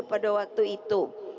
pada waktu itu